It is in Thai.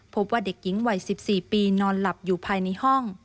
พบว่าเด็กหญิงวัย๑๔ปีนอนหลับอยู่ภายในห้อง